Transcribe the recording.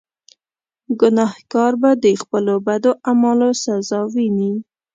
ګناهکار به د خپلو بدو اعمالو سزا ویني.